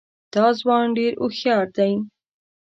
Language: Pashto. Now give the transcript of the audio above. دا ځوان ډېر هوښیار دی.